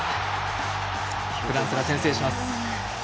フランスが先制します。